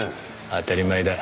当たり前だ。